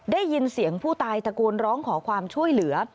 ได้ยินเสียงผู้ตายตะโกนร้องขอความช่วยเหลือ